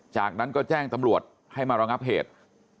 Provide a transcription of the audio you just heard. จากนั้นก็แจ้งตำรวจให้มาระงับเหตุ